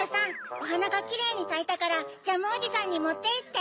おはながキレイにさいたからジャムおじさんにもっていって！